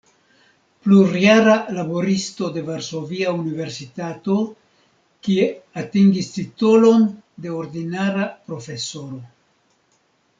Plurjara laboristo de Varsovia Universitato, kie atingis titolon de ordinara profesoro.